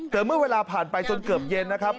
เมื่อเวลาผ่านไปจนเกือบเย็นนะครับ